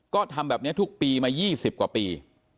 ก็ทำแบบนี้ทุกปีมา๒๐กว่าปี